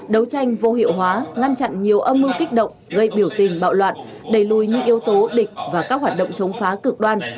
đấu tranh vô hiệu hóa ngăn chặn nhiều âm mưu kích động gây biểu tình bạo loạn đẩy lùi những yếu tố địch và các hoạt động chống phá cực đoan